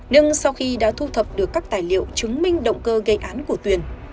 nhưng sau khi đã thu thập được các tài liệu chứng minh động cơ gây án của tuyền